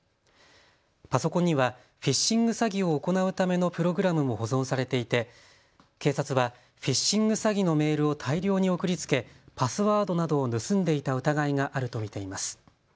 パソコンにはフィッシング詐欺を行うためのプログラムも保存されていて警察はフィッシング詐欺のメールを大量に送りつけパスワードなどを盗んでいた疑いがあると見ています。